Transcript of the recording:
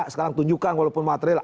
sekarang tunjukkan walaupun material